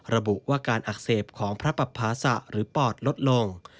ระบุว่าการอักเสบของพระปภาษะหรือปอดลดลง